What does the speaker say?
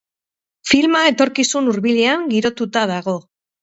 Filma etorkizun hurbilean girotuta dago.